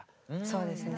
そうですね。